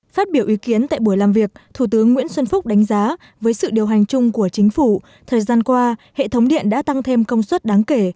phát biểu ý kiến tại buổi làm việc thủ tướng nguyễn xuân phúc đánh giá với sự điều hành chung của chính phủ thời gian qua hệ thống điện đã tăng thêm công suất đáng kể